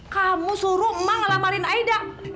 kamu suruh emak ngelamarin aida